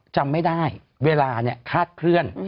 จำไม่ได้เวลาคาดเคลื่อน